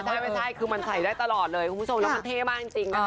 ใช่ไม่ใช่คือมันใส่ได้ตลอดเลยคุณผู้ชมแล้วมันเท่มากจริงนะคะ